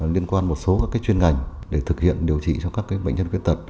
liên quan một số các chuyên ngành để thực hiện điều trị cho các bệnh nhân khuyết tật